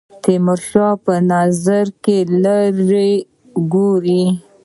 تیمورشاه په نظر کې لري وګوري.